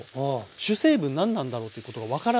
主成分何なんだろうということが分からずに。